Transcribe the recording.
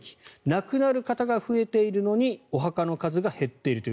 亡くなる方が増えているのにお墓の数が減っているという。